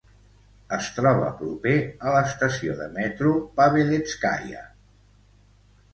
Es troba proper a l'estació de metro Pavelétskaia.